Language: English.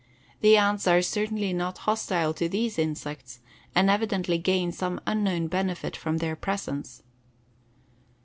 The ants are certainly not hostile to these insects and evidently gain some unknown benefit from their presence.